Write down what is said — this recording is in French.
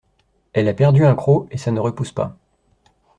Elle a perdu un croc et ça ne repousse pas.